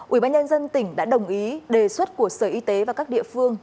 ủy ban nhân dân tỉnh đã đồng ý đề xuất của sở y tế và các địa phương